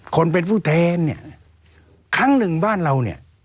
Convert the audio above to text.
คนเป็นผู้แทนเนี่ยครั้งหนึ่งบ้านเราเนี่ย